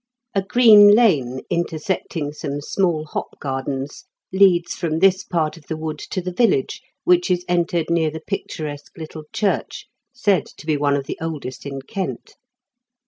A green lane, intersecting some small hop gardens, leads from this part of the wood to the viUage, which is entered near the picturesque little church, said to be one of the oldest in Kent.